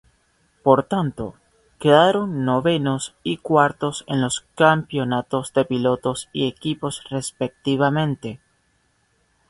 Por tanto, quedaron novenos y cuartos en los campeonatos de pilotos y equipos respectivamente.